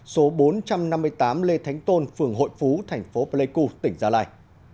số bốn trăm năm mươi tám lê thánh tôn phường hội phú tp pleiku tỉnh gia lai